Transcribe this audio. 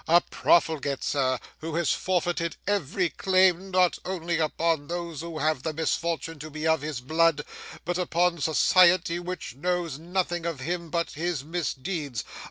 'A profligate, sir, who has forfeited every claim not only upon those who have the misfortune to be of his blood, but upon society which knows nothing of him but his misdeeds.